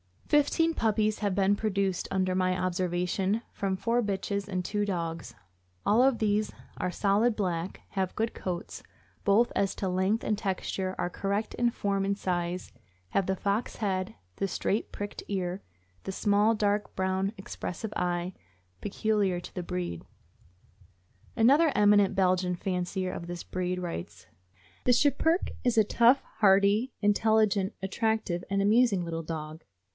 Fifteen puppies have been produced, under my observation, from four bitches and two dogs. All of these are solid black, have good coats, both as to length and texture, are correct in form and size, have the fox head, the straight, pricked ear, and the small, dark brown, expressive eye peculiar to the breed. 668 THE AMERICAN BOOK OF THE DOG. Another eminent Belgian fancier of this breed writes: The Schipperke is a tough, hardy, intelligent, attractive, and amusing little dog.